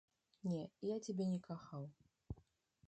Не, я цябе не кахаў.